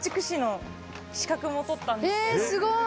すごい！